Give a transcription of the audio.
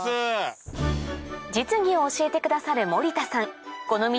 実技を教えてくださるこの道